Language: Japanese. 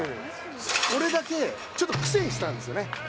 俺だけちょっと苦戦したんですよ